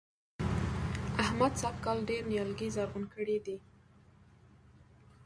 احمد سږ کال ډېر نيالګي زرغون کړي دي.